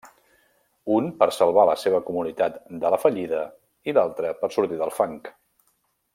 Un per salvar la seva comunitat de la fallida i l'altre per sortir del fang.